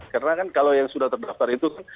karena kan kalau yang sudah terdaftar itu